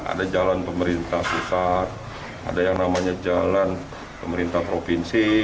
ada jalan pemerintah pusat ada yang namanya jalan pemerintah provinsi